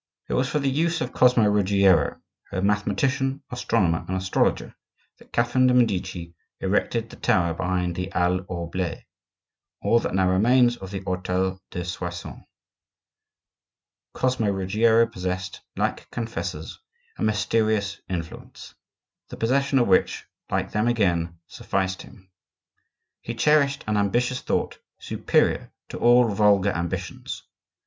It was for the use of Cosmo Ruggiero, her mathematician, astronomer, and astrologer, that Catherine de' Medici erected the tower behind the Halle aux Bles,—all that now remains of the hotel de Soissons. Cosmo Ruggiero possessed, like confessors, a mysterious influence, the possession of which, like them again, sufficed him. He cherished an ambitious thought superior to all vulgar ambitions.